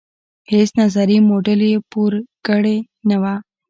هیڅ نظري موډل یې پور کړې نه وه.